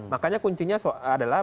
makanya kuncinya adalah